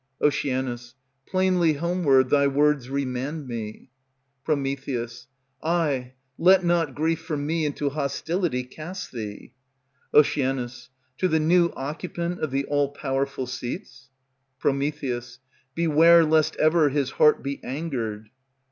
Oc. Plainly homeward thy words remand me. Pr. Aye, let not grief for me into hostility cast thee. Oc. To the new occupant of the all powerful seats? Pr. Beware lest ever his heart be angered.